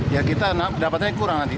ya kita dapatnya kurang nanti